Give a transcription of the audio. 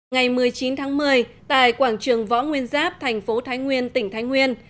ngày một mươi chín tháng một mươi tại quảng trường võ nguyên giáp thành phố thái nguyên tỉnh thái nguyên